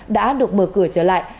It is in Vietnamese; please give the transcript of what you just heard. đã được mở cửa trở lại